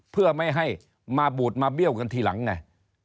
เพื่อไม่ให้มาบูดมาเบี้ยวกันทีหลังไง